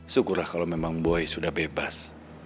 syukurlah kalau memang boy sudah bebas